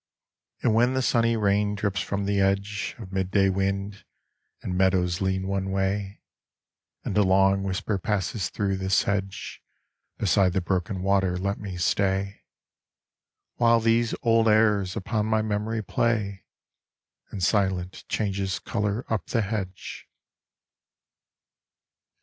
And when the sunny rain drips from the edge Of midday wind, and meadows lean one way. And a long whisper passes thro' the sedge, Beside the broken water let me stay, While these old airs upon my memory play, And silent changes colour up the hedge.